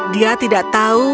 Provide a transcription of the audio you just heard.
dia tidak tahu